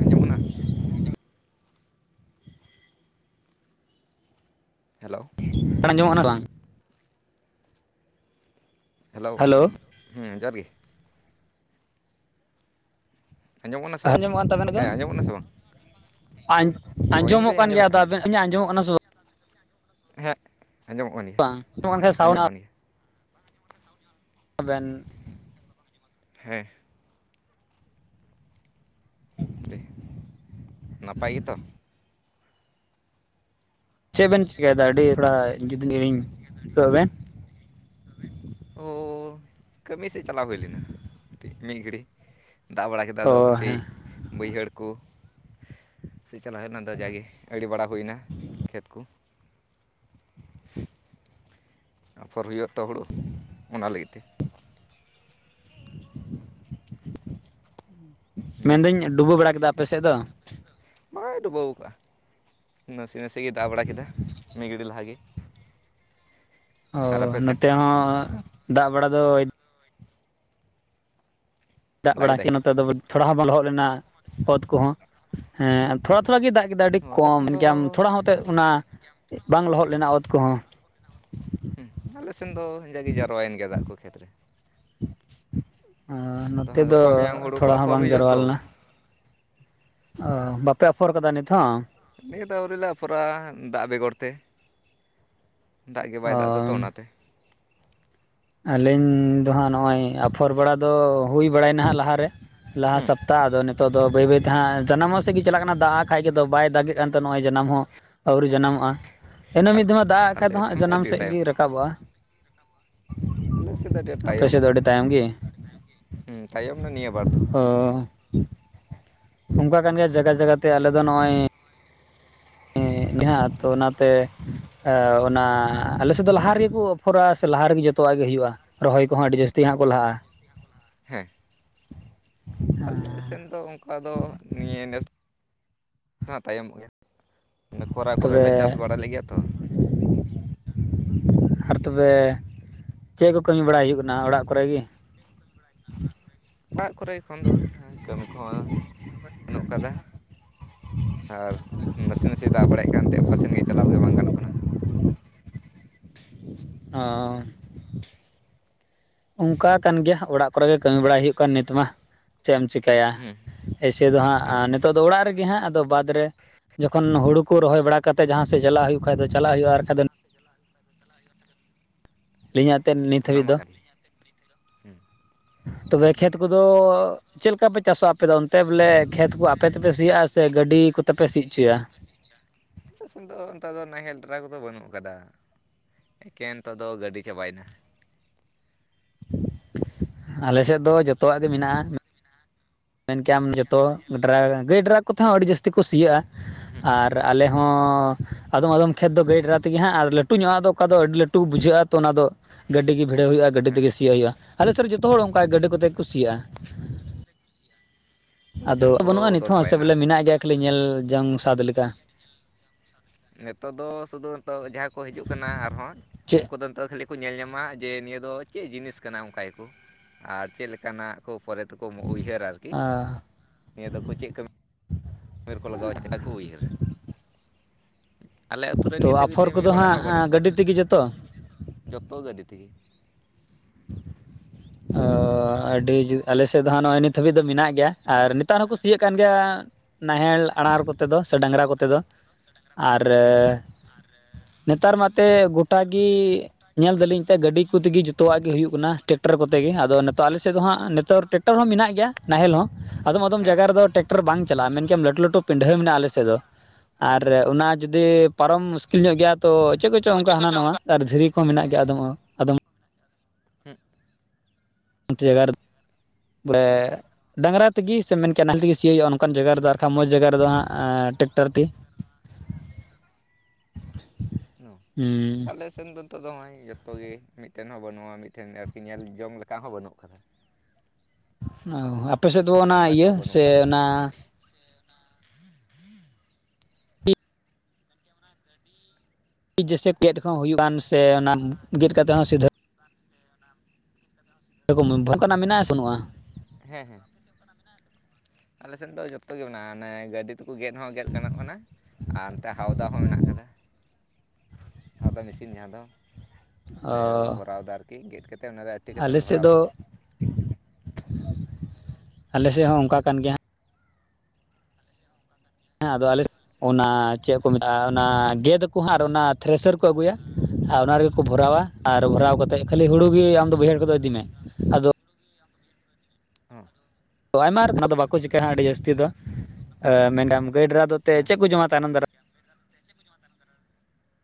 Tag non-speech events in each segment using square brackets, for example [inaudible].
ᱟᱸᱡᱚᱢ ᱚᱜ ᱠᱟᱱᱟ ᱦᱮᱞᱳ ᱨᱚᱲ ᱟᱸᱡᱚᱢᱚᱜ ᱠᱟᱱᱟ ᱥᱮ ᱵᱟᱝ ᱦᱮᱞᱳ ᱦᱮᱸ ᱡᱚᱦᱟᱨ ᱜᱮ ᱟᱸᱡᱚᱢᱚᱜ ᱠᱟᱱᱟ ᱥᱮ ᱵᱟᱝ ᱟᱸᱡᱚᱢᱚᱜ ᱠᱟᱱ ᱛᱟᱵᱮᱱᱟ ᱫᱚ? ᱦᱮᱸ ᱟᱸᱡᱚᱢᱚᱜ ᱠᱟᱱᱟ ᱥᱮ ᱵᱟᱝ ᱚ ᱟᱸᱡᱚᱢᱚᱜ ᱤᱧᱫᱚᱧ ᱠᱟᱱ ᱜᱮᱭᱟ ᱟᱸᱡᱚᱢᱮᱫ ᱟᱫᱚ ᱟᱹᱞᱤᱧᱟ ᱟᱸᱡᱚᱢᱚᱜ ᱠᱟᱱᱟ ᱥᱮ ᱵᱟᱝ ᱦᱮᱸ ᱟᱸᱡᱚᱢᱚᱜ ᱠᱟᱱ ᱜᱮᱭᱟ ᱵᱟᱝ ᱟᱸᱡᱚᱢᱚᱜ [unintelligible] ᱠᱟᱱ ᱜᱮᱭᱟ ᱟᱵᱮᱱ ᱦᱮᱸ ᱡᱮ ᱱᱟᱯᱟᱭ ᱜᱮᱛᱚ ᱪᱮᱫ ᱵᱮᱱ ᱪᱤᱠᱟᱹᱭᱮᱫᱟ ᱟᱹᱰᱤ ᱛᱷᱚᱲᱟ ᱡᱩᱫᱟᱜᱤᱧ ᱟᱹᱭᱠᱟᱹ ᱮᱫ ᱵᱮᱱ [unintelligible] ᱚ ᱠᱟᱹᱢᱤ ᱥᱮᱫ ᱪᱟᱞᱟᱣ ᱦᱩᱭ ᱞᱮᱱᱟ ᱢᱤᱫ ᱜᱷᱟᱹᱲᱤ ᱫᱟᱜ ᱵᱟᱲᱟ ᱠᱮᱫᱟ ᱚ ᱟᱫᱚ ᱠᱟᱹᱴᱤᱡ ᱦᱮᱸ ᱵᱟᱹᱭᱦᱟᱹᱲ ᱠᱚ ᱥᱮ ᱪᱟᱞᱟᱣ ᱦᱩᱭᱞᱮᱱᱟ ᱟᱫᱚ ᱡᱟᱣᱜᱮ ᱟᱲᱮ ᱵᱟᱲᱟ ᱦᱩᱭᱱᱟ ᱠᱷᱮᱛ ᱠᱚ ᱟᱯᱷᱚᱨ ᱦᱩᱭᱩᱜ ᱟᱛᱚ ᱦᱩᱲᱩ ᱚᱱᱟ ᱞᱟᱹᱜᱤᱫ ᱛᱮ ᱫᱮ ᱢᱮᱱᱫᱟᱹᱧ ᱰᱩᱵᱟᱹ ᱵᱟᱲᱟ ᱠᱮᱫᱟ ᱟᱯᱮ ᱥᱮᱫ ᱫᱚ? ᱵᱟᱭ ᱰᱩᱵᱟ ᱟᱠᱟ ᱱᱟᱥᱮ ᱜᱮ ᱫᱟᱜ ᱵᱟᱲᱟ ᱠᱮᱫᱟ ᱢᱤᱫ ᱜᱷᱟᱹᱲᱤᱡ ᱞᱟᱦᱟ ᱜᱮ᱾ ᱚ ᱥᱮᱱ ᱱᱚᱛᱮ ᱦᱚᱸ ᱫᱟᱜ ᱵᱟᱲᱟ ᱫᱚ ᱫᱟᱜ ᱵᱟᱲᱟ ᱠᱮᱫ-ᱟ ᱱᱚᱛᱮ ᱫᱚ ᱛᱷᱚᱲᱟ ᱦᱚᱸ ᱵᱟᱝ ᱞᱚᱦᱚᱫ ᱞᱮᱱᱟ ᱚᱛ ᱠᱚᱦᱚᱸ ᱦᱮᱸ ᱛᱷᱚᱲᱟ ᱛᱷᱚᱲᱟ ᱜᱮ ᱫᱟᱜ ᱠᱮᱫᱟ ᱟᱹᱰᱤ ᱟᱞᱮ ᱠᱚᱢ ᱥᱮᱱ ᱢᱮᱱᱠᱮᱭᱟᱢ ᱫᱚ ᱛᱷᱚᱲᱟ ᱦᱚᱸᱛᱮᱫ ᱚᱱᱟ ᱵᱟᱝ ᱞᱚᱦᱚᱫ ᱞᱮᱱᱟ ᱚᱛ ᱠᱚᱦᱚᱸ ᱦᱮᱸ ᱟᱞᱮ ᱥᱮᱱ ᱫᱚ ᱦᱮᱸ ᱡᱟᱨᱣᱟᱭᱮᱱ ᱜᱮᱭᱟ ᱫᱟᱜ ᱠᱚ ᱠᱷᱮᱛ ᱨᱮ ᱟᱫᱚ ᱱᱚᱛᱮ ᱦᱟᱸᱜ ᱫᱚ ᱜᱟᱯᱟ ᱢᱮᱭᱟᱝ ᱦᱳᱲᱳ ᱛᱷᱚᱲᱟ ᱠᱚ ᱦᱚᱸ ᱟᱯᱷᱚᱨ ᱵᱟᱝ ᱦᱩᱭᱩᱜᱼᱟ ᱡᱟᱨᱣᱟ ᱛᱚ ᱞᱮᱱᱟ᱾ ᱚ ᱵᱟᱯᱮ ᱟᱯᱷᱚᱨ ᱠᱟᱫᱟ ᱱᱤᱛᱦ ᱦᱚᱸ? ᱱᱤᱫ ᱦᱚᱸ ᱟᱹᱣᱨᱤ ᱞᱮ ᱟᱯᱷᱚᱨᱟ-ᱟ ᱫᱟᱜ ᱵᱮᱜᱚᱨ ᱛᱮ᱾ ᱫᱟᱜ ᱜᱮ ᱵᱟᱭ ᱚ ᱫᱟᱜ ᱮᱫᱟᱛᱚ ᱚᱱᱟᱛᱮ ᱟᱹᱞᱤᱧ ᱫᱚ ᱦᱟᱸᱜ ᱱᱚᱜ-ᱚᱭ ᱟᱯᱷᱚᱨ ᱵᱟᱲᱟ ᱫᱚ ᱦᱩᱭ ᱵᱟᱲᱟᱭ ᱱᱟ ᱱᱟᱦᱟᱜ ᱞᱟᱦᱟᱨᱮ ᱞᱟᱦᱟ ᱦᱩᱸ ᱥᱚᱯᱛᱟᱦ ᱟᱫᱚ ᱱᱤᱛᱚᱜ ᱟᱫᱚ ᱵᱟᱹᱭ ᱵᱟᱹᱭᱛᱮ ᱦᱟᱸᱜ ᱡᱟᱱᱟᱢᱚᱜ ᱥᱮᱫ ᱜᱮ ᱪᱟᱞᱟᱜ ᱠᱟᱱᱟ ᱫᱟᱜ-ᱟᱜ ᱠᱷᱟᱡ ᱜᱮ ᱵᱟᱭ ᱫᱟᱜ ᱮᱫ ᱠᱟᱱ ᱛᱟᱦᱮ ᱱᱚᱜ-ᱚᱭ ᱡᱟᱱᱟᱢ ᱦᱚᱸ ᱟᱹᱣᱨᱤ ᱡᱟᱱᱟᱢᱚᱜ-ᱟ᱾ ᱤᱱᱟᱹ ᱟᱨ ᱢᱤᱫ ᱫᱚᱢ ᱫᱟᱜ ᱟᱜ ᱠᱷᱟᱡ ᱫᱚ ᱟᱞᱮ ᱦᱟᱸᱜ ᱢᱟ ᱡᱟᱱᱟᱢ ᱟᱹᱰᱤ ᱥᱮᱫ ᱜᱮ ᱛᱟᱭᱚᱢ ᱠᱟᱱᱟ, ᱨᱟᱠᱟᱵᱚᱜ-ᱟ᱾ ᱟᱞᱮ ᱥᱮᱫ ᱫᱚ ᱟᱹᱰᱤ ᱟᱸᱴ ᱟᱯᱮ ᱛᱟᱭᱚᱢ ᱥᱮᱫ ᱫᱚ ᱟᱹᱰᱤ ᱟᱠᱟᱱᱟ ᱛᱟᱭᱚᱢ ᱜᱮ? ᱦᱩᱸ ᱛᱟᱭᱚᱢ ᱮᱱᱟ ᱱᱤᱭᱟᱹ ᱵᱟᱨ ᱫᱚ᱾ ᱚ ᱚᱱᱠᱟ ᱠᱟᱱ ᱜᱮᱭᱟ ᱡᱟᱭᱜᱟ ᱡᱟᱭᱜᱟᱛᱮ ᱟᱞᱮ ᱫᱚ ᱱᱚᱜ-ᱚᱭ ᱦᱮᱸ ᱛᱚ ᱚᱱᱟᱛᱮ ᱚᱱᱟ ᱟᱞᱮ ᱥᱮᱫ ᱫᱚ ᱞᱟᱦᱟ ᱨᱮᱜᱮ ᱠᱚ ᱟᱯᱷᱚᱨᱟ ᱥᱮ ᱞᱟᱦᱟ ᱨᱮᱜᱮ ᱡᱚᱛᱚ ᱜᱮ ᱦᱩᱭᱩᱜ-ᱟ ᱨᱚᱦᱚᱭ ᱠᱚᱦᱚᱸ ᱟᱹᱰᱤ ᱡᱟᱹᱥᱛᱤ ᱦᱟᱸᱜ ᱠᱚ ᱞᱟᱦᱟᱜ-ᱟ᱾ ᱦᱮᱸ ᱟᱞᱮ ᱥᱮᱱ ᱫᱚ ᱚᱱᱠᱟ ᱫᱚ ᱱᱤᱭᱟᱹ ᱱᱮᱥ ᱫᱚ ᱦᱟᱸᱜ ᱛᱟᱭᱚᱢᱚᱜ ᱜᱮᱭᱟ᱾ ᱚᱱᱮ ᱠᱷᱚᱨᱟ ᱠᱚᱨᱮ ᱛᱚᱵᱮ ᱞᱮ ᱪᱟᱥ ᱵᱟᱲᱟ ᱞᱮᱫ ᱜᱮᱭᱟ ᱛᱚ ᱟᱨ ᱛᱚᱵᱮ ᱪᱮᱫ ᱠᱚ ᱠᱟᱹᱢᱤ ᱵᱟᱲᱟᱭ ᱦᱩᱭᱩᱜ ᱠᱟᱱᱟ ᱚᱲᱟᱜ ᱠᱚᱨᱮ ᱜᱮ? [unintelligible] ᱵᱟᱱᱩᱜ ᱠᱟᱫᱟ᱾ ᱟᱨ ᱱᱟᱥᱮ ᱱᱟᱥᱮ ᱫᱟᱜ ᱵᱟᱲᱟᱭᱮᱫ ᱠᱟᱱᱛᱮ ᱚᱠᱟ ᱥᱮᱱ ᱜᱮ ᱪᱟᱞᱟᱣ ᱜᱮ ᱵᱟᱝ ᱜᱟᱱᱚᱜ ᱠᱟᱱᱟ᱾ ᱚ ᱚᱱᱠᱟ ᱠᱟᱱ ᱜᱮᱭᱟ ᱚᱲᱟᱜ ᱠᱚᱨᱮ ᱜᱮ ᱠᱟᱹᱢᱤ ᱵᱟᱲᱟᱭ ᱦᱩᱭᱩᱜ ᱠᱟᱱ ᱱᱤᱛ ᱢᱟ᱾ ᱪᱮᱫ ᱮᱢ ᱪᱮᱤᱠᱟᱹᱭᱟ ᱦᱩᱸ ᱮᱭᱥᱮ ᱫᱚ ᱦᱟᱸᱜ ᱦᱮᱸ ᱱᱤᱛᱚᱜ ᱫᱚ ᱚᱲᱟᱜ ᱨᱮᱜᱮ ᱦᱟᱸᱜ ᱟᱫᱚ ᱵᱟᱹᱫᱽ ᱨᱮ ᱡᱚᱠᱷᱚᱱ ᱦᱩᱲᱩ ᱠᱚ ᱨᱚᱦᱚᱭ ᱵᱟᱲᱟ ᱠᱟᱛᱮᱫ ᱡᱟᱦᱟᱸ ᱥᱮᱫ ᱪᱟᱞᱟᱜ ᱦᱩᱭᱩᱜ ᱠᱷᱟᱡ ᱫᱚ ᱪᱟᱞᱟᱜ ᱦᱩᱭᱩᱜ-ᱟ ᱟᱨ ᱠᱷᱟᱱ ᱫᱚ ᱟᱹᱞᱤᱧᱟᱜ ᱛᱮᱫ ᱱᱤᱛ ᱚᱱᱟ ᱦᱟᱹᱵᱤᱡ ᱢᱟ ᱫᱚ ᱠᱟᱱ ᱜᱮ ᱦᱩᱸ ᱛᱚᱵᱮ ᱜᱮ ᱠᱷᱮᱛ ᱠᱚᱫᱚ ᱪᱮᱫᱞᱮᱠᱟ ᱯᱮ ᱪᱟᱥᱟ ᱟᱯᱮ ᱫᱚ ᱚᱱᱛᱮ ᱵᱚᱞᱮ ᱠᱷᱮᱛ ᱠᱚ ᱵᱚᱞᱮ ᱟᱯᱮ ᱛᱮᱯᱮ ᱠᱷᱮᱫ ᱠᱚᱫᱚ ᱥᱤᱭᱟᱜᱼᱟ ᱟᱯᱮ ᱥᱮ ᱛᱮᱯᱮ ᱜᱟᱹᱰᱤ ᱥᱤᱭᱟ ᱠᱚᱛᱮ ᱥᱮ ᱯᱮ ᱥᱤ ᱜᱟᱹᱰᱤ ᱦᱚᱪᱚᱭᱟ ᱠᱚᱛᱮ ᱯᱮ ᱥᱤ ᱪᱩᱭᱟ ᱟᱞᱮᱥᱮᱫ ᱫᱚ ᱱᱮᱛᱟᱨ ᱫᱚ ᱱᱟᱦᱮᱞ ᱰᱨᱟ ᱫᱚ ᱵᱟᱹᱱᱩᱜ ᱠᱟᱫᱟ ᱮᱠᱮᱱ ᱱᱤᱛᱟᱨ ᱫᱚ ᱜᱟᱹᱰᱤ ᱪᱟᱵᱟᱭᱮᱱᱟ᱾ ᱟᱞᱮ ᱥᱮᱫ ᱫᱚ ᱡᱚᱛᱚᱣᱟᱜ ᱜᱮ ᱢᱮᱱᱟᱜᱼᱟ᱾ ᱢᱮᱱ ᱠᱮᱭᱟᱢ ᱡᱚᱛᱚ ᱰᱨᱟᱠ ᱜᱟᱹᱭᱰᱨᱟᱠ ᱠᱚᱛᱮ ᱦᱚ ᱟᱹᱰᱤ ᱡᱟᱹᱥᱛᱤ ᱠᱚ ᱥᱤᱭᱟᱹᱜᱼᱟ᱾ ᱟᱨ ᱟᱞᱮ ᱦᱚᱸ ᱚ ᱟᱫᱚᱢ ᱟᱫᱚᱢ ᱠᱷᱮᱛ ᱫᱚ ᱜᱟᱹᱭ ᱴᱨᱟᱠ ᱛᱮᱜᱮ ᱦᱟᱸᱜ ᱟᱨ ᱞᱟᱹᱴᱩ ᱧᱚᱜ ᱟᱜ ᱫᱚ ᱚᱠᱟ ᱫᱚ ᱟᱹᱰᱤ ᱞᱟᱹᱴᱩ ᱵᱩᱡᱷᱟᱹᱜᱼᱟ ᱛᱚ ᱚᱱᱟᱫᱚ ᱜᱟᱹᱰᱤ ᱜᱮ ᱵᱷᱤᱲᱟᱹᱣ ᱦᱩᱭᱩᱜᱼᱟ ᱜᱟᱹᱰᱤ ᱦᱮᱸ ᱛᱮᱜᱮ ᱥᱤᱭᱳ ᱦᱩᱭᱩᱜᱼᱟ᱾ ᱟᱞᱮ ᱥᱮᱫ ᱡᱚᱛᱚ ᱦᱚᱲ ᱚᱱᱠᱟ ᱜᱟᱹᱰᱤ ᱠᱚᱛᱮ ᱠᱩ ᱥᱤᱭᱟ᱾ ᱟᱞᱮ ᱟᱫᱚ ᱥᱮᱱ ᱵᱟᱹᱱᱩᱜᱼᱟ ᱯᱩᱨᱟᱹ ᱵᱚᱫᱚᱞ ᱱᱤᱛᱚᱜ ᱦᱚᱸ ᱥᱮ ᱪᱟᱵᱟᱭᱮᱱᱟ ᱵᱚᱞᱮ ᱢᱮᱱᱟᱜ ᱜᱮᱭᱟ ᱠᱷᱟᱹᱞᱤ ᱧᱮᱞ ᱡᱚᱝ ᱥᱟᱫ ᱞᱮᱠᱟ᱾ ᱱᱤᱛᱚᱜ ᱫᱚ ᱥᱩᱫᱩ ᱱᱤᱛᱚᱜ ᱡᱟᱦᱟᱸᱭ ᱠᱚ ᱦᱤᱡᱩᱜ ᱠᱟᱱᱟ ᱟᱨᱦᱚᱸ ᱪᱮᱫ ᱩᱱᱠᱩ ᱫᱚ ᱱᱤᱛᱚᱜ ᱠᱷᱟᱹᱞᱤ ᱠᱚ ᱧᱮᱞ ᱧᱟᱢᱟ ᱡᱮ ᱱᱤᱭᱟᱹ ᱫᱚ ᱪᱮᱫ ᱡᱤᱱᱤᱥ ᱠᱟᱱᱟ ᱚᱱᱠᱟ ᱭᱟᱠᱚ ᱟᱨ ᱪᱮᱫ ᱞᱮᱠᱟᱱᱟᱜ ᱠᱚ ᱯᱚᱨᱮᱫ ᱛᱮᱠᱚ ᱩᱭᱦᱟᱹᱨᱟ ᱟᱨᱠᱤ ᱱᱤᱭᱟᱹ ᱫᱚᱠᱚ ᱪᱮᱫ ᱠᱟᱹᱢᱤ ᱩᱢᱮᱨ ᱠᱚ ᱞᱟᱜᱟᱣᱟ [inaudible] ᱠᱚ ᱩᱭᱦᱟᱹᱨ ᱟᱞᱮ ᱟᱛᱩᱨ ᱨᱮ ᱛᱚ ᱱᱤᱛ ᱦᱟᱹᱵᱤᱡ ᱟᱯᱷᱚᱨ ᱛᱮ ᱢᱤᱫ ᱠᱚᱫᱚ ᱦᱚᱲᱟᱜ ᱦᱟᱸᱜ ᱦᱚᱸ ᱵᱟᱹᱱᱩᱜ ᱟᱠᱟᱫᱟ ᱜᱟᱹᱰᱤ ᱛᱮᱜᱮ ᱡᱚᱛᱚ ᱡᱚᱛᱚ ᱜᱟᱹᱰᱤ ᱛᱮᱜᱮ ᱚ ᱟᱹᱰᱤ ᱟᱞᱮ ᱥᱮᱫ ᱫᱚ ᱦᱟᱜ ᱱᱚᱜᱼᱚᱭ ᱱᱤᱛ ᱦᱟᱹᱵᱤᱡ ᱫᱚ ᱢᱮᱱᱟᱜ ᱜᱮᱭᱟ ᱟᱨ ᱱᱮᱛᱟᱨ ᱦᱚᱸᱠᱚ ᱥᱤᱭᱟᱜ ᱠᱟᱱ ᱜᱮᱭᱟ ᱱᱟᱦᱮᱞ ᱟᱬᱟᱨ ᱠᱚᱛᱮ ᱫᱚ ᱥᱮ ᱰᱟᱝᱨᱟ ᱠᱚᱛᱮ ᱫᱚ ᱟᱨ ᱦᱮᱸ ᱱᱮᱛᱟᱨ ᱢᱟᱛᱮ ᱜᱚᱴᱟᱜᱤ ᱧᱮᱞ ᱫᱟᱞᱤᱧ ᱛᱮ ᱜᱟᱹᱰᱤ ᱠᱩᱛᱤᱜᱤ ᱡᱚᱛᱚᱣᱟᱜ ᱜᱮ ᱦᱩᱭᱩᱜ ᱠᱟᱱᱟ᱾ ᱴᱮᱠᱴᱟᱨ ᱠᱚᱛᱮ ᱜᱮᱮ ᱟᱫᱚ ᱱᱤᱛᱚᱜ ᱟᱞᱮ ᱥᱮᱫ ᱫᱚ ᱦᱟᱸᱜ ᱱᱤᱛᱚᱜ ᱴᱮᱠᱴᱟᱨ ᱦᱚᱸ ᱢᱮᱱᱟᱜ ᱜᱮᱭᱟ ᱱᱟᱦᱮᱞ ᱦᱚ ᱟᱫᱚᱢ - ᱟᱫᱚᱢ ᱦᱮᱸ ᱡᱟᱭᱜᱟ ᱨᱮᱫᱚ ᱴᱨᱟᱠᱴᱚᱨ ᱵᱟᱝ ᱪᱟᱞᱟᱜᱼᱟ ᱢᱮᱱᱠᱮᱭᱟᱢ ᱞᱟᱹᱴᱩ ᱞᱟᱹᱴᱩ ᱯᱤᱰᱷᱟᱹ ᱢᱮᱱᱟᱜᱼᱟ᱾ ᱟᱞᱮ ᱥᱮᱫ ᱫᱚ ᱟᱨ ᱦᱚᱸ ᱚᱱᱟ ᱡᱩᱫᱤ ᱯᱟᱨᱚᱢ ᱢᱩᱥᱠᱤᱞ ᱧᱚᱜ ᱜᱮᱭᱟ ᱛᱚ ᱪᱮᱫ ᱠᱚᱪᱚᱝ ᱚᱱᱠᱟ ᱦᱟᱱᱟ ᱱᱟᱣᱟ ᱟᱨ ᱫᱷᱤᱨᱤ ᱠᱚ ᱦᱚᱸ ᱢᱮᱱᱟᱜ ᱜᱮᱭᱟ ᱟᱫᱚᱢ - ᱟᱫᱚᱢ ᱦᱮ ᱟᱨ ᱵᱟᱞᱮ ᱰᱟᱝᱜᱨᱟ ᱛᱮᱜᱮ ᱥᱮ ᱢᱮᱱ ᱠᱮᱭᱟᱢ ᱱᱟᱦᱮᱞ ᱛᱮᱜᱮ ᱥᱤᱭᱳ ᱦᱩᱭᱩᱜᱼᱟ᱾ ᱱᱚᱝᱠᱟᱱ ᱡᱟᱭᱜᱟ ᱨᱮᱫᱚ ᱟᱨᱷᱟᱱ ᱢᱚᱡᱽ ᱡᱟᱭᱜᱟ ᱨᱮᱫᱚ ᱦᱟᱸᱜ ᱴᱮᱠᱴᱟᱨ ᱛᱮ [inaudible] ᱦᱩᱸ ᱟᱞᱮ ᱥᱮᱱ ᱫᱚ ᱱᱤᱛᱚᱜ ᱱᱚᱜᱼᱚᱭ ᱡᱚᱛᱚ ᱜᱮ ᱢᱤᱫ ᱢᱤᱫᱴᱮᱱ ᱦᱚᱸ ᱵᱟᱹᱱᱩᱜᱼᱟ᱾ ᱢᱤᱫᱴᱮᱱ ᱟᱨᱠᱤ ᱧᱮᱞ ᱡᱚᱝ ᱞᱮᱠᱟ ᱦᱚᱸ ᱵᱟᱹᱱᱩᱜ ᱠᱟᱫᱟ᱾ ᱚ ᱟᱯᱮ ᱥᱮᱫ ᱫᱚ ᱚᱱᱟ ᱤᱭᱟᱹ ᱠᱚᱦᱚᱸ ᱵᱟᱹᱱᱩᱜ ᱥᱮ ᱟᱠᱟᱫ ᱠᱚᱣᱟ ᱚᱱᱟ ᱦᱩᱭᱩᱜᱱ ᱥᱮ ᱚᱱᱟ ᱜᱮᱫ ᱠᱟᱛᱮᱮᱫ ᱦᱚᱸ ᱥᱤᱫᱷᱟᱹ ᱚᱱᱠᱟᱱᱟᱜ ᱢᱮᱱᱟᱜᱼᱟ ᱥᱮ ᱵᱟᱱᱩᱜᱼᱟ? ᱦᱮᱸ ᱦᱮᱸ ᱟᱞᱮ ᱥᱮᱫ ᱫᱚ ᱡᱚᱛᱚ ᱜᱮ ᱢᱮᱱᱟᱜᱼᱟ᱾ ᱚᱱᱮ ᱜᱟᱹᱰᱤ ᱛᱮᱠᱚ ᱜᱮᱫ ᱦᱚᱸ ᱜᱮᱫ ᱜᱟᱱᱚᱜ ᱠᱟᱱᱟ᱾ ᱟᱨ ᱱᱚᱛᱮ ᱦᱟᱣᱫᱟ ᱦᱚᱸ ᱢᱮᱱᱟᱜ ᱟᱠᱟᱫᱟ᱾ [inaudible] ᱦᱟᱶᱫᱟ ᱢᱤᱥᱤᱱ ᱚᱱᱟ ᱫᱚ ᱞᱮ ᱚ ᱵᱷᱚᱨᱟᱣᱫᱟ ᱟᱨᱠᱤ ᱜᱮᱫ ᱠᱟᱛᱮᱫ ᱚᱱᱟᱨᱮ ᱟᱹᱴᱤ ᱠᱟᱛᱮ ᱟᱞᱮ ᱥᱮᱫ ᱵᱷᱚᱨᱟᱣ ᱫᱚ ᱢᱮ ᱟᱞᱮ ᱥᱮᱫ ᱦᱚ ᱚᱱᱠᱟ ᱠᱟᱱ ᱜᱮᱭᱟ᱾ ᱦᱮᱸ ᱟᱫᱚ ᱟᱞᱮ ᱚᱱᱟ ᱪᱮᱫ ᱠᱚ ᱢᱮᱛᱟᱜᱼᱟ᱾ ᱚᱱᱟ ᱪᱮᱫ ᱜᱮᱫᱟ ᱠᱚ ᱦᱟᱸ ᱟᱨ ᱚᱱᱟ ᱯᱷᱨᱮᱥᱟᱨ ᱠᱚ ᱟᱹᱜᱩᱭᱟ ᱟᱨ ᱚᱱᱟ ᱨᱮᱜᱮ ᱠᱚ ᱵᱷᱚᱨᱟᱣᱟ ᱟᱨ ᱵᱷᱚᱨᱟᱣ ᱠᱟᱛᱮᱫ ᱠᱷᱟᱹᱞᱤ ᱦᱩᱲᱩ ᱜᱮ ᱟᱢᱫᱚ ᱵᱟᱹᱭᱦᱟᱹᱲ ᱠᱷᱚᱱᱫᱚ ᱤᱫᱤᱢᱮ ᱟᱫᱚ ᱦᱚ ᱚ ᱟᱭᱢᱟᱨ ᱠᱟᱱᱟ ᱫᱚ ᱵᱟᱠᱚ ᱪᱤᱠᱟᱹᱜᱼᱟ᱾ ᱟᱹᱰᱤ ᱡᱟᱹᱥᱛᱤ ᱫᱚ ᱮ ᱢᱮᱱᱰᱟᱢ ᱜᱟᱹᱭ ᱰᱨᱟ ᱫᱚ ᱛᱮ ᱦᱮᱸ ᱪᱮᱫ ᱦᱮᱸ ᱠᱚ ᱡᱚᱢᱟ ᱛᱟᱭᱱᱚᱢ ᱫᱟᱨᱟᱢ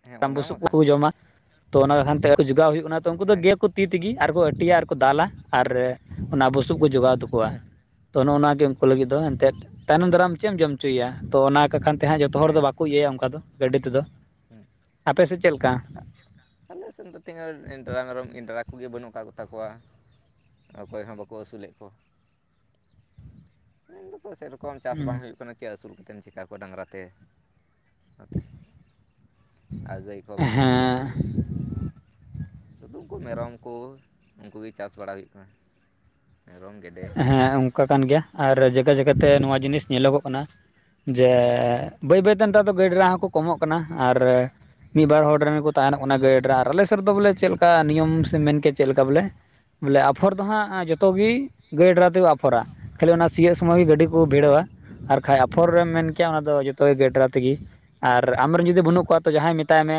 ᱦᱮᱸ ᱨᱟᱢ ᱚᱱᱟ ᱢᱟ ᱵᱩᱥᱩᱵ ᱠᱟᱱ ᱠᱚᱠᱚ ᱡᱚᱢᱟ ᱛᱚ ᱚᱱᱟᱠᱷᱟᱱᱛᱮ ᱡᱚᱜᱟᱣ ᱦᱩᱭᱩᱜ ᱠᱟᱱᱟ᱾ ᱛᱚ ᱩᱱᱠᱩ ᱫᱚ ᱦᱮᱸ ᱜᱮᱫ ᱦᱮᱸ ᱠᱚ ᱛᱤ ᱛᱮᱜᱮ ᱟᱨᱠᱚ ᱟᱹᱴᱤᱭᱟ ᱟᱨ ᱠᱚ ᱫᱟᱞᱟ ᱟᱨ ᱚᱱᱟ ᱵᱩᱥᱩᱵ ᱠᱚ ᱡᱚᱜᱟᱣ ᱛᱟᱠᱚᱣᱟ ᱛᱚ ᱱᱚᱜᱚᱼ ᱱᱚᱣᱟ ᱜᱮ ᱩᱱᱠᱩ ᱞᱟᱹᱜᱤᱫ ᱫᱚ ᱛᱮᱫ ᱛᱟᱭᱱᱚᱢ ᱦᱮᱸ ᱫᱟᱨᱟᱢ ᱪᱮᱫ ᱮᱢ ᱡᱚᱢ ᱦᱚᱪᱚᱭᱮᱭᱟ ᱛᱚ ᱚᱱᱟ ᱠᱟᱠᱷᱟᱱ ᱛᱮ ᱡᱚᱛᱚ ᱦᱚᱲ ᱦᱮᱸ ᱫᱚ ᱵᱟᱠᱚ ᱤᱭᱟᱹᱭᱟ᱾ ᱚᱱᱠᱟ ᱫᱚ ᱜᱟᱹᱰᱤ ᱛᱮᱫᱚ ᱦᱮᱸ ᱟᱯᱮ ᱥᱮᱫ ᱪᱮᱫ ᱞᱮᱠᱟ ᱟᱞᱮ ᱥᱮᱫ ᱫᱚ ᱚᱱᱠᱟ ᱰᱟᱝᱜᱨᱟ-ᱢᱮᱨᱚᱢ ᱵᱟᱹᱱᱩᱜ ᱠᱟᱜ ᱠᱚᱛᱟᱠᱚᱣᱟ ᱚᱠᱚᱭ ᱦᱚ ᱵᱟᱠᱚ ᱟᱹᱥᱩᱞᱮᱫ ᱠᱚᱣᱟ᱾ ᱢᱮᱱ ᱫᱟᱠᱚ ᱥᱮᱭᱨᱚᱠᱚᱢ ᱪᱟᱥ ᱵᱟᱝ ᱦᱩᱭᱩᱜ ᱠᱟᱱᱟ ᱪᱮᱫ ᱟᱹᱥᱩᱞ ᱠᱟᱛᱮ ᱪᱤᱠᱟ ᱠᱚᱣᱟ ᱰᱟᱝᱨᱟ ᱛᱮ ᱚᱱᱟᱛᱮ ᱟᱨ ᱜᱟᱹᱭ ᱠᱚᱦᱚᱸ ᱵᱟᱠᱚ ᱟᱹᱥᱩᱞᱮᱫ ᱦᱮᱸ ᱠᱚᱜᱮᱭᱟ᱾ ᱥᱩᱫᱩ ᱠᱚ ᱢᱮᱨᱚᱢ ᱠᱚ ᱩᱱᱠᱩ ᱜᱮ ᱪᱟᱥ ᱵᱟᱲᱟ ᱦᱩᱭᱩᱜ ᱠᱟᱱᱟ᱾ ᱢᱮᱨᱚᱢ ᱜᱮᱰᱮ ᱦᱮᱸ ᱚᱱᱠᱟ ᱠᱟᱱ ᱜᱮᱭᱟ ᱟᱨ ᱡᱟᱭᱜᱟ ᱡᱟᱭᱜᱟᱛᱮ ᱱᱚᱣᱟ ᱡᱤᱱᱤᱥ ᱧᱮᱞᱚᱜᱚᱜ ᱠᱟᱱᱟ᱾ ᱡᱮ ᱵᱟᱹᱭ ᱵᱟᱹᱭᱛᱮ ᱱᱮᱛᱟᱨ ᱫᱚ ᱜᱟᱹᱭ ᱰᱟᱝᱜᱽᱨᱟ ᱦᱚᱸᱠᱚ ᱠᱚᱢᱚᱜ ᱠᱟᱱᱟ ᱟᱨ ᱢᱤᱫ ᱵᱟᱨ ᱦᱚᱲ ᱨᱮᱱ ᱠᱚ ᱛᱟᱦᱮᱱᱚᱜ ᱠᱟᱱᱟ ᱜᱟᱹᱭᱤᱰ ᱨᱮ ᱟᱨ ᱟᱞᱮ ᱥᱮᱫ ᱫᱚ ᱵᱚᱞᱮ ᱪᱮᱫ ᱞᱮᱠᱟ ᱱᱤᱭᱚᱢ ᱥᱮ ᱢᱮᱱ ᱠᱮ ᱪᱮᱫ ᱞᱮᱠᱟ ᱵᱚᱞᱮ ᱵᱚᱞᱮ ᱟᱯᱷᱚᱨ ᱫᱚ ᱦᱟᱸᱜ ᱡᱚᱛᱚ ᱜᱮ ᱜᱟᱹᱭ ᱰᱨᱟ ᱛᱮᱠᱚ ᱟᱯᱷᱚᱨᱟ ᱠᱷᱟᱹᱞᱤ ᱚᱱᱟ ᱥᱤᱭᱳᱜ ᱥᱚᱢᱚᱭ ᱜᱮ ᱜᱟᱹᱰᱤ ᱠᱚ ᱵᱷᱤᱲᱟᱹᱣᱟ ᱟᱨ ᱠᱷᱟᱱᱡ ᱟᱯᱷᱚᱨ ᱨᱮᱢ ᱢᱮᱱ ᱠᱮᱭᱟ ᱚᱱᱟ ᱫᱚ ᱡᱚᱛᱚᱭ ᱜᱮᱰᱨᱟ ᱛᱮᱜᱮ ᱟᱨ ᱟᱢᱨᱮᱱ ᱡᱩᱫᱤ ᱵᱟᱹᱱᱩᱜ ᱠᱚᱣᱟ ᱛᱚ ᱡᱟᱦᱟᱸᱭ ᱢᱮᱛᱟᱭ ᱢᱮ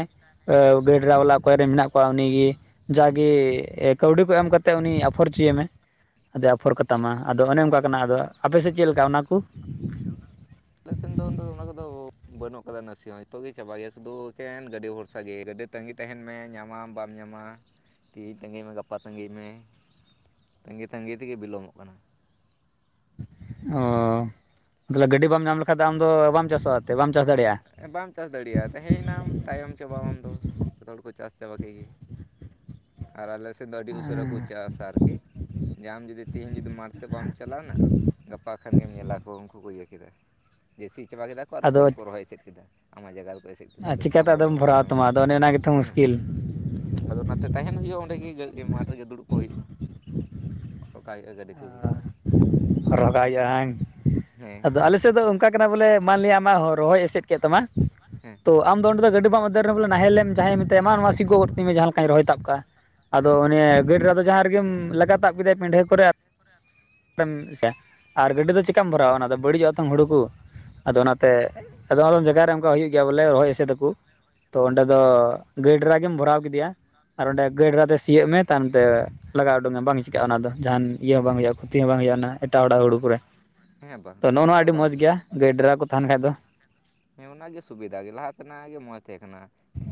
ᱜᱟᱹᱭ-ᱰᱟᱹᱝᱜᱨᱟ ᱵᱟᱞᱟ ᱚᱠᱚᱭ ᱨᱮᱱ ᱢᱮᱱᱟᱜ ᱠᱚᱣᱟ ᱩᱱᱤᱜᱮ ᱡᱟᱜᱮ ᱠᱟᱹᱣᱰᱤ ᱠᱚ ᱮᱢ ᱠᱟᱛᱮ ᱩᱱᱤ ᱟᱯᱷᱚᱨ ᱡᱤᱪᱚᱭ ᱢᱮ ᱟᱫᱚ ᱚᱯᱷᱚᱨ ᱠᱟᱛᱟᱢᱟ ᱟᱫᱚ ᱚᱱᱮ ᱚᱱᱠᱟ ᱠᱟᱱᱟ ᱟᱫᱚ ᱟᱯᱮ ᱥᱮᱫ ᱪᱮᱫ ᱞᱮᱠᱟ ᱚᱱᱟ ᱠᱚ ᱟᱞᱮ ᱥᱮᱱ ᱫᱚ ᱚᱱᱟ ᱠᱚᱫᱚ ᱵᱟᱹᱱᱩᱜ ᱟᱠᱟᱫᱟ ᱱᱟᱥᱮ ᱦᱚᱸ ᱱᱤᱛᱚᱜ ᱜᱮ ᱪᱟᱵᱟᱜ ᱜᱮᱭᱟ ᱥᱩᱫᱩ ᱮᱠᱮᱱ ᱜᱟᱹᱰᱤ ᱵᱷᱚᱨᱥᱟ ᱜᱮ ᱜᱟᱹᱰᱤ ᱛᱮ ᱛᱟᱺᱜᱤ ᱛᱟᱦᱮᱱ ᱢᱮ ᱧᱟᱢᱟᱢ ᱵᱟᱢ ᱧᱟᱢᱟᱢ ᱛᱤᱦᱤᱧ ᱛᱟᱹᱜᱤᱭ ᱢᱮ ᱜᱟᱯᱟ ᱛᱟᱹᱜᱤᱭ ᱢᱮ ᱛᱟᱸᱜᱤ - ᱛᱟᱸᱜᱤ ᱛᱮᱜᱮ ᱵᱤᱞᱚᱢᱚᱜ ᱠᱟᱱᱟ᱾ ᱚᱻ ᱛᱚᱞᱮ ᱜᱟᱹᱰᱤ ᱵᱟᱢ ᱧᱟᱢ ᱞᱮᱠᱷᱟᱱᱡ ᱫᱚ ᱟᱢ ᱫᱚ ᱵᱟᱢ ᱪᱟᱥᱚᱜᱼᱟ᱾ ᱮᱱᱛᱮᱫ ᱵᱟᱢ ᱪᱟᱥ ᱫᱟᱲᱮᱭᱟᱜᱼᱟ ᱵᱟᱢ ᱪᱟᱥ ᱫᱟᱲᱮᱭᱟᱜᱼᱟ᱾ ᱛᱟᱦᱮᱸᱭᱱᱟᱢ ᱛᱟᱭᱚᱢ ᱪᱟᱵᱟᱢ ᱟᱢ ᱩᱱᱫᱚ ᱪᱟᱥ ᱪᱟᱵᱟ ᱠᱮᱫ ᱜᱮ ᱟᱨ ᱟᱞᱮᱮᱥᱮᱫ ᱫᱚ ᱟᱹᱰᱤ ᱩᱥᱟᱹᱨᱟ ᱠᱚ ᱪᱟᱥᱟ ᱟᱨᱠᱤ ᱡᱮ ᱟᱢ ᱡᱩᱫᱤ ᱛᱮᱤᱦᱤᱧ ᱡᱩᱫᱤ ᱢᱟᱴᱷ ᱛᱮ ᱵᱟᱢ ᱪᱟᱞᱟᱣᱱᱟ ᱜᱟᱯᱟ ᱠᱷᱟᱱ ᱜᱮᱢ ᱧᱮᱞᱟ ᱠᱚᱣᱟ ᱩᱱᱠᱩ ᱠᱚ ᱤᱭᱟᱹ ᱠᱮᱫᱟ ᱡᱮᱥᱤ ᱪᱟᱵᱟ ᱠᱮᱫᱟ ᱠᱚ ᱟᱨ ᱜᱩᱲ ᱠᱚ ᱪᱮᱫ ᱠᱮᱫᱟ ᱟᱢᱟᱜ ᱡᱟᱭᱜᱟ ᱨᱮ ᱟᱨ ᱪᱤᱠᱟᱛᱮ ᱟᱫᱚᱢ ᱵᱷᱚᱨᱟᱣ ᱛᱟᱢᱟ ᱟᱫᱚ ᱚᱱᱮ ᱜᱮᱛᱚ ᱦᱮᱸ ᱢᱩᱥᱠᱤᱞ ᱦᱸᱸ ᱟᱫᱚ ᱚᱱᱟᱛᱮ ᱛᱟᱦᱮᱱ ᱦᱩᱭᱩᱜᱼᱟ ᱚᱸᱰᱮᱜᱮ ᱜ ᱢᱟᱴᱷ ᱨᱮᱜᱮ ᱫᱩᱲᱩᱵ ᱠᱚᱜ ᱦᱩᱭᱩᱜᱼᱟ ᱚᱠᱟ ᱦᱩᱭᱩᱜᱼᱟ ᱜᱟᱹᱰᱤ ᱠᱚᱜᱮ ᱟᱨ ᱨᱚᱜᱟᱭᱟᱹᱧ ᱦᱮᱸ ᱟᱫᱚ ᱟᱞᱮ ᱥᱮᱫ ᱫᱚ ᱚᱱᱠᱟ ᱠᱟᱱᱟ ᱵᱚᱞᱮ ᱢᱟᱱᱞ ᱟᱢᱟᱜ ᱨᱚᱦᱚᱭ ᱮᱥᱮᱫ ᱠᱮᱫ ᱛᱟᱢᱟ ᱦᱮᱸ ᱛᱚ ᱟᱢ ᱫᱚ ᱚᱸᱰᱮ ᱫᱚ ᱜᱟᱹᱰᱤ ᱢ ᱨᱮ ᱵᱚᱞ ᱱᱟᱦᱮᱞᱢ ᱡᱟᱦᱟᱸᱭ ᱢᱮᱛᱟᱭᱟ ᱢᱟ ᱱᱚᱣᱟ ᱥᱤᱜᱚᱫ ᱜᱚᱨ ᱢᱮ ᱡᱟᱦᱟᱸ ᱞᱮᱠᱟᱭ ᱨᱚᱭᱟᱵ ᱠᱟᱜ ᱟᱫᱚ ᱦᱮᱸ ᱩᱱᱤ ᱜᱟᱹᱰ ᱨᱮᱫᱚ ᱡᱟᱦᱟᱸ ᱨᱮᱜᱮᱢ ᱞᱟᱜᱟ ᱛᱟᱵ ᱠᱮᱫᱟᱭ ᱯᱤᱰᱷᱟᱹ ᱠᱚᱨᱮ ᱮ ᱟᱨ ᱜᱟᱹᱰᱤ ᱫᱚ ᱪᱤᱠᱟᱢ ᱵᱷᱚᱨᱟᱣᱟ ᱚᱱᱟ ᱫᱚ ᱵᱟᱹᱲᱤᱡᱚᱜᱼᱟᱛᱚᱝ ᱦᱩᱲᱩ ᱠᱚ ᱟᱫᱚ ᱚᱱᱟᱛᱮ ᱟᱫᱚᱢ ᱟᱫᱚᱢ ᱡᱟᱭᱜᱟ ᱨᱮ ᱚᱱᱠᱟ ᱦᱩᱭᱩᱜ ᱜᱮᱭᱟ ᱵᱚᱞᱮ ᱨᱚᱦᱚᱭ ᱮᱥᱫ ᱟᱠᱚ ᱛᱚ ᱚᱸᱰᱮ ᱫᱚ ᱦᱮᱸ ᱜᱟ. ᱭ ᱰᱮᱨᱟ ᱜᱮᱢ ᱵᱷᱚᱨᱟᱣ ᱠᱮᱫᱮᱭᱟ ᱟᱨ ᱚᱸᱰᱮ ᱜᱟ. ᱭ ᱰᱮᱨᱟᱛᱮ ᱥᱤᱭᱳᱜ ᱢᱮ ᱛᱟᱭᱚᱢᱟᱨᱚᱱᱛᱮ ᱞᱟᱜᱟᱣ ᱩᱰᱩᱝᱟ ᱵᱟᱝ ᱪᱤᱠᱟᱹᱜᱼᱟ ᱚᱱᱟ ᱫᱚ ᱡᱟᱦᱟᱱ ᱤᱭᱟᱹ ᱦᱚᱸ ᱦᱮᱸ ᱵᱟᱝ ᱦᱩᱭᱩᱜᱼᱟ ᱠᱷᱚᱛᱤ ᱦᱚᱸ ᱵᱟᱝ ᱦᱩᱭᱩᱜᱼᱟ ᱚᱱᱟ ᱮᱴᱟᱜ ᱚᱲᱟᱜ ᱦᱩᱲᱩ ᱠᱚᱨᱮ ᱦᱮᱸ ᱵᱟᱝ ᱛᱚ ᱱᱚᱜᱼᱚ ᱚᱱᱟ ᱱᱚᱣᱟ ᱫᱚ ᱟᱹᱰᱤ ᱵᱟᱝ ᱢᱚᱸᱡ ᱜᱮᱭᱟ ᱜᱟᱹᱭ ᱰᱮᱨᱟ ᱠᱚ ᱛᱟᱦᱮᱱ ᱠᱷᱟᱡ ᱫᱚ ᱦᱮ ᱚᱱᱟᱜ ᱜᱮ ᱥᱩᱵᱤᱫᱷᱟ ᱜᱮ ᱞᱟᱦᱟ ᱛᱮᱱᱟᱜ ᱜᱮ ᱢᱚᱸᱡᱽ ᱛᱟᱦᱮᱸ ᱠᱟᱱᱟᱟᱱᱟ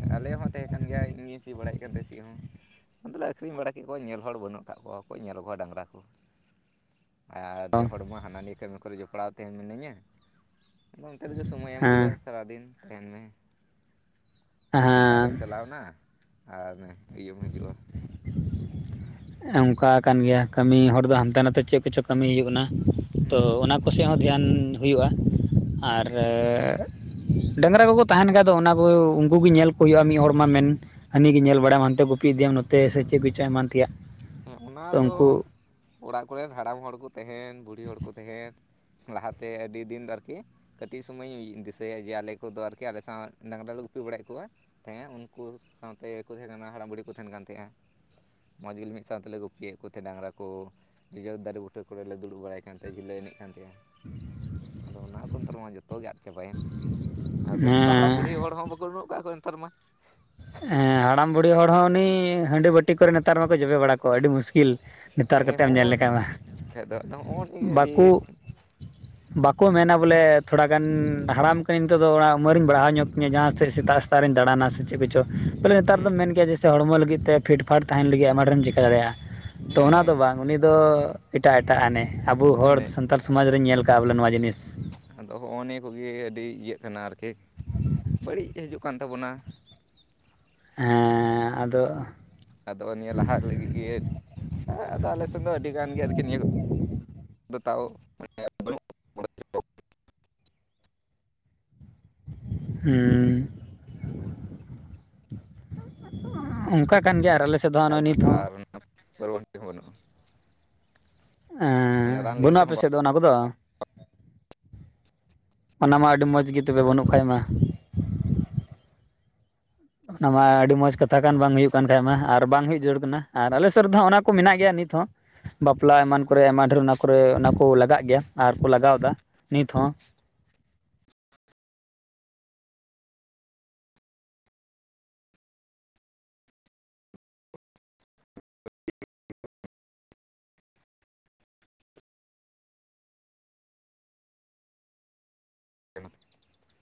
ᱟᱞᱮ ᱦᱚᱸ ᱛᱟᱦᱮᱸ ᱠᱟᱱ ᱜᱮᱭᱟ ᱤᱧ ᱜᱤᱧ ᱥᱤ ᱵᱟᱲᱟᱭᱮᱫ ᱠᱟᱱ ᱛ ᱛᱟᱦᱮᱸᱱᱟ [unintelligible] ᱵ ᱵᱮᱥᱮᱫ ᱦᱚᱸ ᱩᱱᱛᱮᱚᱞᱮ ᱟᱠᱷᱨᱤᱧ ᱵᱟᱲᱟ ᱠᱮᱫ ᱠᱚᱣᱟ ᱧᱮᱞ ᱦᱚᱲ ᱵᱟᱹᱱᱩᱜ ᱠᱟᱜ ᱠᱚᱣᱟ ᱠᱚ ᱧᱮᱞ ᱠᱚᱣᱟ ᱰᱟᱝᱨᱟ ᱠᱚ ᱟᱨ ᱱᱤᱭᱟᱹ ᱦᱚᱲᱢᱚ ᱦᱟᱱᱟ ᱱᱤᱭᱟᱹ ᱠᱟᱹᱢᱤ ᱠᱚᱨᱮ ᱡᱚᱯᱲᱟᱣ ᱛᱟᱦᱮᱱ ᱢᱤᱱᱟᱹᱧᱟ ᱟᱫᱚ ᱚᱱᱛᱮ ᱨᱮᱜᱮ ᱥᱚᱢᱚᱭ ᱮᱢ ᱮᱢ ᱦᱩᱭᱩᱜᱼᱟ ᱦᱮᱸ ᱥᱟᱨᱟ ᱫᱤᱱ ᱛᱟᱦᱮᱱ ᱢᱮ ᱥᱮᱛᱟᱜ ᱦᱮᱸ ᱨᱮᱢ ᱪᱟᱞᱟᱣ ᱮᱱᱟ ᱟᱨ ᱤᱭᱟᱹᱤᱭᱟᱹ ᱮᱢ ᱦᱤᱡᱩᱜᱼᱟ [inaudible] ᱚᱱᱠᱟ ᱠᱟᱱ ᱜᱮᱭᱟ ᱠᱟᱹᱢᱤ ᱦᱚᱲ ᱫᱚ ᱦᱟᱱᱛᱮ ᱱᱟᱛᱮ ᱪᱮᱫ ᱠᱚᱪᱚᱝ ᱠᱟᱹᱢᱤ ᱦᱩᱭᱩᱜ ᱠᱟᱱᱟ ᱛᱚ ᱦᱮᱸ ᱚᱱᱟ ᱦᱮᱸ ᱠᱚᱥᱮᱫ ᱦᱚᱸ ᱫᱷᱮᱭᱟᱱ ᱦᱩᱭᱩᱜᱼᱟ ᱦᱮᱸ ᱟᱨ ᱰᱟᱝᱨᱟ ᱠᱚᱠᱚ ᱛᱟᱦᱮᱱ ᱠᱷᱟ ᱫᱚ ᱚᱱᱟ ᱩᱱᱠᱩ ᱜᱮ ᱧᱮᱞ ᱠᱚ ᱦᱩᱭᱩᱜᱼᱟ ᱢᱤᱫ ᱦᱚᱲ ᱢᱟ ᱢᱮᱱ ᱦᱟᱱᱤ ᱜᱮ ᱧᱮᱞ ᱵᱟᱲᱟᱭᱟᱢᱟ ᱦᱟᱱᱛᱮ ᱜᱩᱤᱯ ᱤᱫᱤᱭᱟᱢ ᱱᱚᱛᱮ ᱥᱮ ᱪᱮᱫ ᱠᱚᱪᱚ ᱮᱢᱟᱱ ᱛᱮᱭᱟᱜ ᱦᱮᱸ ᱚᱱᱟ ᱛᱚ ᱫᱚ ᱩᱱᱠᱩ ᱚᱲᱟᱜ ᱠᱚᱨᱮᱱ ᱦᱟᱲᱟᱢ ᱦᱚᱲ ᱠᱚ ᱛᱟᱦᱮᱱ ᱵᱩᱲᱦᱤ ᱦᱚᱲ ᱠᱚ ᱛᱟᱦᱮᱱ ᱞᱟᱦᱟᱛᱮ ᱟᱹᱰᱤ ᱫᱤᱱ ᱫᱚ ᱟᱨᱠᱤ ᱠᱟᱹᱴᱤᱡ ᱥᱩᱢᱚᱭᱧ ᱫᱤᱥᱟᱹᱭᱟ ᱡᱮ ᱟᱞᱮ ᱠᱚᱫᱚ ᱟᱨᱠᱤ ᱟᱞᱮ ᱥᱟᱶ ᱰᱟᱝᱨᱟ ᱞᱩ ᱛᱩᱯᱤ ᱵᱟᱲᱟᱭᱮᱫ ᱠᱚᱣᱟ ᱛᱟᱦᱮᱸ ᱩᱱᱠᱩ ᱥᱟᱶᱛᱮᱠᱚ ᱛᱟᱦᱮᱸ ᱠᱟᱱᱟ ᱦᱟᱲᱟᱢ ᱵᱩᱲᱦᱤ ᱠᱚ ᱛᱟᱦᱮᱸᱱ ᱠᱟᱱ ᱛᱟᱦᱮᱸᱜᱼᱟ ᱢᱚᱡᱽ ᱜᱮᱞ ᱢᱤᱫ ᱥᱟᱶᱛᱮᱞᱮ ᱜᱩᱯᱤᱭᱮᱫ ᱠᱚ ᱛᱟᱦᱮᱸ ᱰᱟᱝᱨᱟ ᱠᱚ ᱱᱤᱡᱮᱨ ᱫᱟᱨᱮ ᱵᱩᱴᱟᱹ ᱠᱚᱨᱮᱞ ᱞᱮ ᱫᱩᱲᱩᱵ ᱵᱟᱲᱟᱭ ᱠᱟᱱ ᱛᱟᱦᱮᱸ ᱡᱷᱟᱹᱟᱹᱭ ᱮᱱᱮᱡ [unintelligible] ᱼᱟ ᱟᱫᱚ ᱚᱱᱟ ᱠᱚ ᱱᱮᱛᱟᱨ ᱨᱮ ᱢᱟ ᱡᱚᱛᱚ ᱡᱚᱛᱚ ᱜᱮ ᱟᱫ ᱪᱟᱵᱟᱭᱮᱱ ᱟᱨ ᱵᱟᱹᱱᱩᱜ ᱠᱚᱣᱟ ᱦᱟᱲᱟᱢ ᱵᱩᱲᱦᱤ ᱦᱚᱲ ᱦᱚᱸ ᱵᱟᱠᱚ ᱵᱟᱹᱱᱩᱜ ᱠᱚᱟᱜ ᱠᱚᱣᱟ ᱱᱮᱛᱟᱨ ᱢᱟ ᱦᱮᱸ ᱦᱟᱲᱟᱢ ᱵᱩᱲᱦᱤ ᱦᱚᱲ ᱦᱚᱸ ᱩᱱᱤ ᱦᱟᱺᱰᱤ ᱵᱟᱹᱴᱤ ᱠᱚᱨᱮ ᱱᱮᱛᱟᱨ ᱢᱟᱠᱚ ᱡᱚᱵᱮ ᱵᱟᱲᱟ ᱠᱚᱜᱣᱟ ᱟᱹᱰᱤ ᱢᱩᱥᱠᱤᱞ ᱱᱮᱛᱟᱨ ᱦᱮᱸ ᱠᱟᱛᱮᱫ ᱮᱢ ᱧᱮᱞ ᱦᱚᱲ ᱞᱮᱠᱷᱟᱡ ᱢᱟ ᱦᱚᱲ ᱜᱮ ᱵᱟᱠᱚ [inaudible] ᱵᱟᱠᱚ ᱢᱮᱱᱟ ᱵᱚᱞᱮ ᱛᱷᱚᱲᱟ ᱜᱟᱱ ᱦᱟᱲᱟᱢ ᱠᱟᱹᱱᱟᱹᱧ ᱱᱤᱛᱚᱜ ᱫᱚ ᱚᱱᱟ ᱩᱢᱟᱹᱨ ᱤᱧ ᱵᱟᱲᱦᱟᱣ ᱧᱚᱜ ᱠᱤᱧᱟᱹ ᱡᱟᱦᱟᱸᱥᱮᱫ ᱥᱮᱛᱟᱜ ᱥᱮᱥᱛ ᱨᱮ ᱫᱟᱬᱟᱱᱟ ᱥᱮ ᱪᱮᱫ ᱠᱚᱪᱚ ᱵᱚᱞᱮ ᱱᱮᱛᱟᱨ ᱦᱮᱸ ᱫᱚᱢ ᱢᱮᱱ ᱜᱮᱮᱭᱟ ᱡᱮᱭᱮ ᱦᱚᱲᱢᱚ ᱞᱟᱹᱜᱤᱫ ᱛᱮ ᱯᱷᱤᱴᱯᱷᱟᱴ ᱛᱟᱦᱮᱸᱱ ᱞᱟᱹᱜᱤᱫ ᱟᱭᱢᱟ ᱰᱷᱮᱨᱢ ᱪᱤᱠᱟᱹ ᱫᱟᱲᱮᱭᱟᱜᱼᱟ ᱛᱚ ᱦᱮᱸ ᱚᱱᱟ ᱦᱮᱸ ᱫᱚ ᱵᱟᱝ ᱩᱱᱤ ᱫᱚ ᱮᱴᱟᱜ ᱮᱴᱟᱜ ᱟᱱᱮ ᱟᱵᱚ ᱦᱚᱲ ᱮᱱᱮᱡ ᱥᱟᱱᱛᱟᱲ ᱥᱚᱢᱟᱡᱽ ᱨᱤᱧ ᱧᱮᱞ ᱠᱟᱜᱼᱟ ᱵᱚᱞᱮ ᱱᱚᱣᱟ ᱡᱤᱱᱤᱥ ᱟᱫᱚ ᱦᱚᱜᱼᱚᱭ ᱱᱤᱭᱟᱹ ᱠᱚᱜᱮ ᱟᱹᱰᱤ ᱤᱭᱟᱹᱜ ᱠᱟᱱᱟ ᱟᱨᱠᱤ ᱵᱟᱹᱲᱤᱡ ᱦᱤᱡᱩᱜ ᱠᱟᱱ ᱛᱟᱵᱚᱱᱟ ᱦᱮᱸ ᱟᱫᱚ ᱟᱫᱚ ᱱᱤᱭᱟᱹ ᱞᱟᱦᱟ ᱞᱟᱹᱜᱤᱫ ᱜᱮ ᱠᱚ ᱟᱫᱚ ᱟᱞᱮ ᱥᱮᱱ ᱫᱚ ᱟᱹᱰᱤᱜᱟᱱ ᱜᱮ ᱟᱨᱠᱤ ᱱᱤᱭᱟᱹ ᱠᱚᱫᱚ ᱫᱚ ᱛᱟᱣ [unintelligible] ᱦᱮᱸ ᱚᱱᱠᱟ ᱠᱟᱱ ᱜᱮᱭᱟ ᱟᱨ ᱟᱞᱮ ᱥᱮᱫ ᱫᱚ ᱦᱟᱸᱜ ᱱᱚᱜᱼᱚᱭ [unintelligible] ᱱᱤᱛ ᱦᱚᱸ ᱟᱨ ᱯᱚᱨᱚᱵᱚᱨᱛᱤ ᱦᱚᱸ ᱵᱟᱹᱱᱩᱜᱼᱟ ᱢᱟᱱᱮ ᱨᱟᱱ ᱞᱟᱹᱜᱤᱫ ᱵᱟᱹᱱᱩᱜᱼᱟ ᱟᱯᱮ ᱛᱮᱦᱚᱸ ᱥᱮᱫ ᱫᱚ ᱚᱱᱟ ᱠᱚᱫᱚ ᱚᱱᱟ ᱢᱟ ᱟᱹᱰᱤ ᱢᱚᱡᱽ ᱜᱮ ᱛᱚᱵᱮ ᱵᱟᱹᱱᱩᱜ ᱠᱷᱟᱡ ᱢᱟ [inaudible] ᱚᱱᱟ ᱢᱟ ᱟᱹᱰᱤ ᱢᱚᱸᱡᱽ ᱠᱟᱛᱷᱟ ᱠᱟᱱ ᱵᱟᱝ ᱦᱩᱭᱩᱜ ᱠᱟᱱ ᱠᱷᱟᱡ ᱢᱟ ᱟᱨ ᱵᱟᱝ ᱦᱩᱭᱩᱜ ᱡᱟᱹᱨᱩᱲ ᱠᱟᱱᱟ ᱟᱨ ᱟᱞᱮ ᱥᱮᱫ ᱨᱮᱫᱚ ᱦᱚᱜ ᱚᱱᱟ ᱠᱚ ᱢᱮᱱᱟᱜ ᱜᱮᱭᱟ [unintelligible] ᱱᱤᱛᱦ ᱦᱚᱸ ᱵᱟᱯᱞᱟ ᱮᱢᱟᱱ ᱠᱚᱨᱮ ᱟᱭᱢᱟ ᱰᱷᱮᱨ ᱚᱱᱟ ᱠᱚᱨᱮ [unintelligible] ᱞᱟᱜᱟᱜ ᱜᱮᱭᱟ ᱟᱨ ᱠᱚ ᱞᱟᱜᱟᱣᱫᱟ ᱱᱤᱛ ᱦᱚᱸ [inaudible]